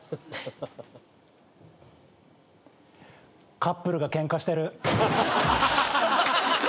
カップルがケンカしてる。